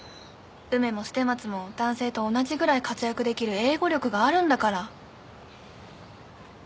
梅も捨松も男性と同じぐらい活躍できる英語力があるんだから。